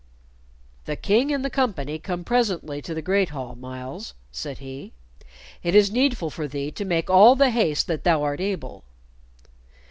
"The King and the company come presently to the Great Hall, Myles," said he; "it is needful for thee to make all the haste that thou art able."